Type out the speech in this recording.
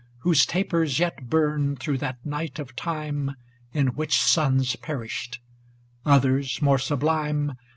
Whose tapers yet burn through that night of time In which suns perished; others more sublime.